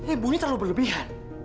ibu ini terlalu berlebihan